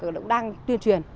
đang tuyên truyền